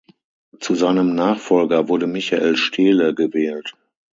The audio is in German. Zu seinem Nachfolger wurde Michael Steele gewählt.